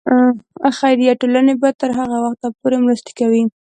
خیریه ټولنې به تر هغه وخته پورې مرستې کوي.